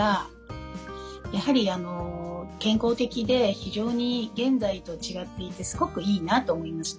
非常に現在と違っていてすごくいいなと思いました。